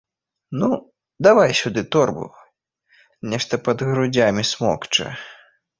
Ну, давай сюды торбу, нешта пад грудзямі смокча.